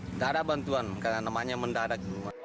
tidak ada bantuan karena namanya mendadak